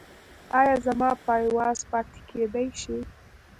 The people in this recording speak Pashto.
ایا زما پایواز پاتې کیدی شي؟